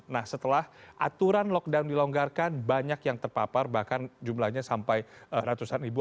nah setelah aturan lockdown dilonggarkan banyak yang terpapar bahkan jumlahnya sampai ratusan ribu